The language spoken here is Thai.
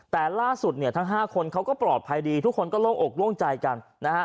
แต่ล่าสุดเนี่ยทั้ง๕คนเขาก็ปลอดภัยดีทุกคนก็โล่งอกโล่งใจกันนะฮะ